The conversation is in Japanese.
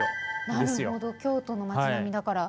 なるほど、京都の町並みだから。